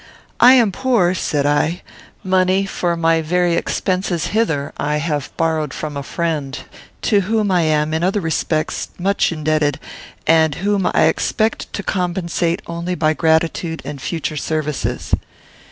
"I am poor," said I. "Money for my very expenses hither I have borrowed from a friend, to whom I am, in other respects, much indebted, and whom I expect to compensate only by gratitude and future services.